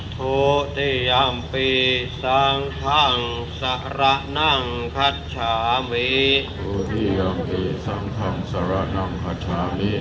ถุติยัมปีสังคังสาระนังขัชชามีถุติยัมปีพุทธภังสาระนังขัชชามี